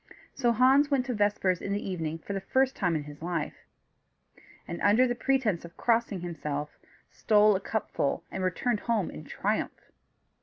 So Hans went to vespers in the evening for the first time in his life, and, under pretence of crossing himself, stole a cupful and returned home in triumph.